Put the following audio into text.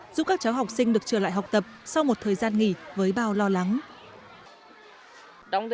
giúp các cháu học sinh được trở lại học tập sau một thời gian nghỉ với bao lo lắng